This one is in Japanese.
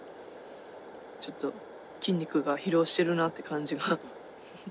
ちょっと筋肉が疲労してるなって感じが。